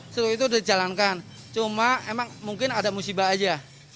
setelah itu sudah dijalankan cuma emang mungkin ada musibah saja